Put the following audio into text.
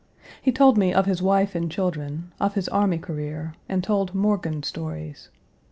He told me of his wife and children; of his army career, and told Morgan stories.